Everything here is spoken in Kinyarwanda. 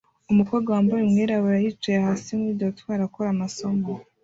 Umukobwa wambaye umwirabura yicaye hasi muri dortoir akora amasomo